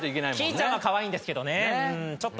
キィーちゃんはかわいいんですけどね。